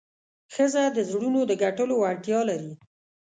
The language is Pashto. ښځه د زړونو د ګټلو وړتیا لري.